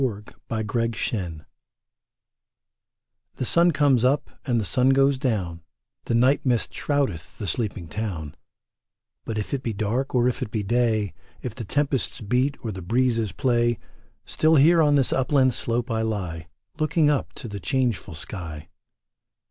THE FALLOW FIELD The sun comes up and the sun goes down ; The night mist shroudeth the sleeping town ; But if it be dark or if it be day, If the tempests beat or the breezes play, Still here on this upland slope I lie, Looking up to the changeful sky.